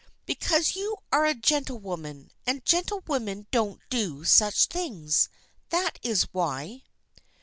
" Because you are a gentlewoman, and gentle women don't do such things. That is why."